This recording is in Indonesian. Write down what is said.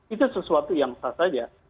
itu sesuatu yang sah saja